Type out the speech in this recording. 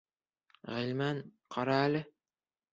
Ғилман, ҡара әле.